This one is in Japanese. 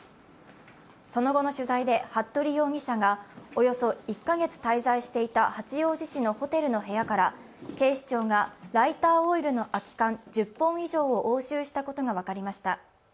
その後の取材で服部容疑者がおよそ１カ月滞在していた八王子市のホテルの部屋から警視庁がライターオイルの空き缶１０本以上を押収したことが分かりました。